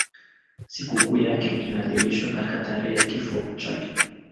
Sikukuu yake inaadhimishwa katika tarehe ya kifo chake.